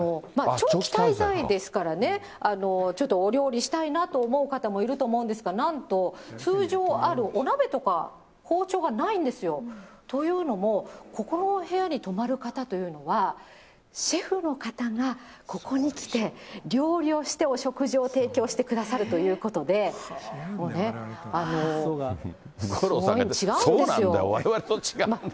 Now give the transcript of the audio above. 長期滞在ですからね、ちょっとお料理したいなと思う方もいると思うんですが、なんと、通常あるお鍋とか包丁がないんですよ。というのも、ここの部屋に泊まる方というのは、シェフの方がここに来て、料理をして、お食事を提供してくださるということで、すごい、違うんですよ。